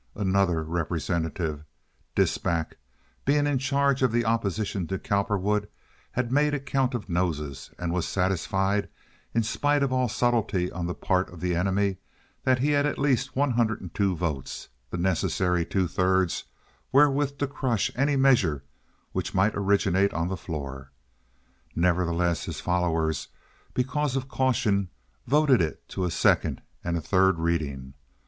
Another representative, Disback, being in charge of the opposition to Cowperwood, had made a count of noses and was satisfied in spite of all subtlety on the part of the enemy that he had at least one hundred and two votes, the necessary two thirds wherewith to crush any measure which might originate on the floor. Nevertheless, his followers, because of caution, voted it to a second and a third reading.